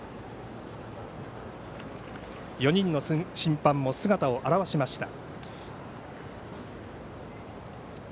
４人の審判も姿を現しました。